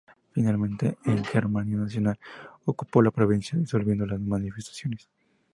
Finalmente la Gendarmería Nacional ocupó la provincia, disolviendo las manifestaciones.